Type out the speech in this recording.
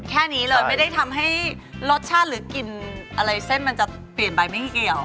แค่นี้เลยไม่ได้ทำให้รสชาติหรือกลิ่นอะไรเส้นมันจะเปลี่ยนไปไม่เกี่ยว